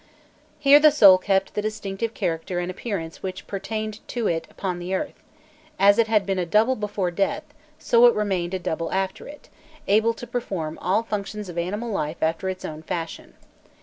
Here the soul kept the distinctive character and appearance which pertained to it "upon the earth:" as it had been a "double" before death, so it remained a double after it, able to perform all functions of animal life after its own fashion.